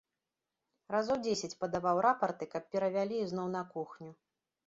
Разоў дзесяць падаваў рапарты, каб перавялі ізноў на кухню.